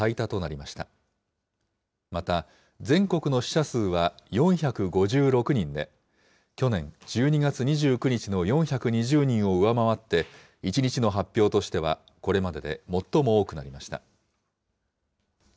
また、全国の死者数は４５６人で、去年１２月２９日の４２０人を上回って、１日の発表としてはこれまでで最も多くなりました。